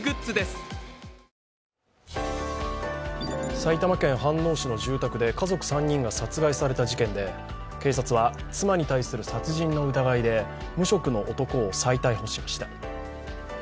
埼玉県飯能市の住宅で家族３人が殺害された事件で警察は妻に対する殺人の疑いで無職の男を再逮捕しました。